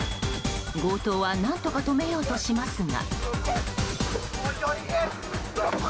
強盗は何とか止めようとしますが。